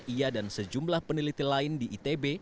ia dan sejumlah peneliti lain di itb